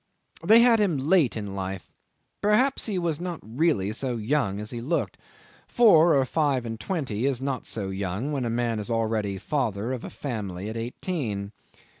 'They had him late in life. Perhaps he was not really so young as he looked. Four or five and twenty is not so young when a man is already father of a family at eighteen.